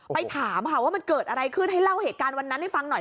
ไปถามค่ะว่ามันเกิดอะไรขึ้นให้เล่าเหตุการณ์วันนั้นให้ฟังหน่อย